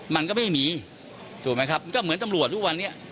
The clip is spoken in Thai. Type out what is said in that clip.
มันก็ไม่มีถูกไหมครับมันก็เหมือนตำรวจทุกวันนี้